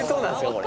これ。